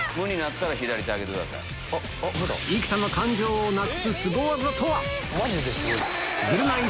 生田の感情をなくすスゴ技とは⁉『ぐるナイ』